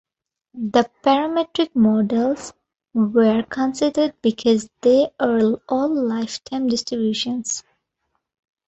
The parametric models were considered because they are all lifetime distributions.